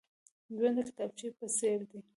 ژوند د کتابچې په څېر دی.